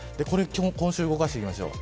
今週動かしていきましょう。